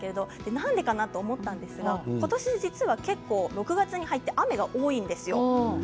なんでかなと思ったんですが今年、実は６月に入ってから雨が多いんですよ。